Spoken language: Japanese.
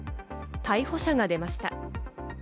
逮捕者が出ました。